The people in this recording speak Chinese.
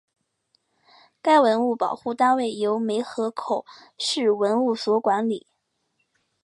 该文物保护单位由梅河口市文物所管理。